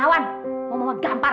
udah pulang ya ampun